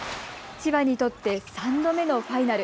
千葉にとって３度目のファイナル。